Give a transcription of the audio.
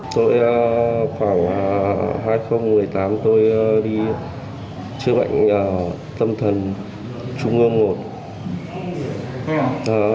tôi khoảng hai nghìn một mươi tám tôi đi chữa bệnh tâm thần trung ương một